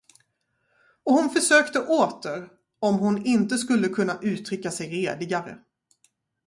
Och hon försökte åter, om hon inte skulle kunna uttrycka sig redigare.